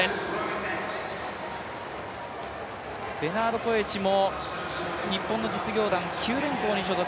ベナード・コエチも日本の実業団、九電工に所属。